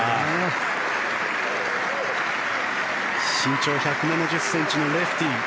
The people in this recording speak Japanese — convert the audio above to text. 身長１７０ｃｍのレフティー。